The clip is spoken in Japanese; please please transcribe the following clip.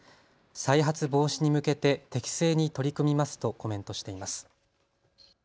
再発防止に向けて適正に取り組みますとコメントしています。